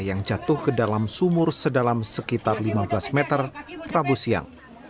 yang jatuh ke dalam sumur sedalam sekitar lima belas meter rabu siang